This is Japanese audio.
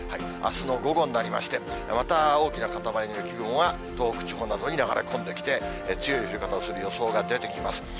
あすの午後になりまして、また大きな固まりの雪雲が、東北地方などに流れ込んできて、強い降り方をする予想が出てきます。